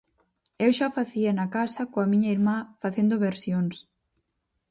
Eu xa o facía na casa coa miña irmá, facendo versións.